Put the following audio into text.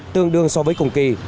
tương đương so với cùng kỳ